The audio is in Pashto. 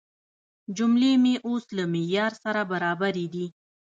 جملې مې اوس له معیار سره برابرې دي.